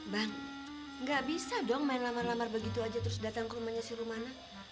bang gak bisa dong main lamar lamar begitu aja terus datang ke rumahnya suruh mana